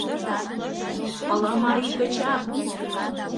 — Пыламарий гычак!